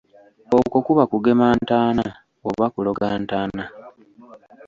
Okwo kuba kugema ntaana oba kuloga ntaana.